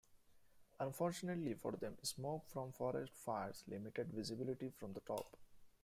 Unfortunately for them, smoke from forest fires limited visibility from the top.